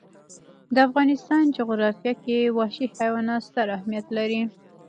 د افغانستان جغرافیه کې وحشي حیوانات ستر اهمیت لري.